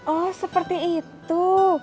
oh seperti itu